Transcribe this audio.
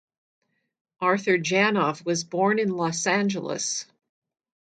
Arthur Janov was born in Los Angeles.